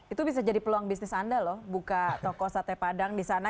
itu bisa jadi peluang bisnis anda loh buka toko sate padang di sana